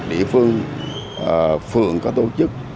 địa phương phường có tổ chức